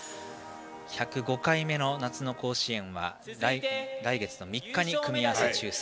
１０５回目の夏の甲子園は来月の３日に組み合わせ抽選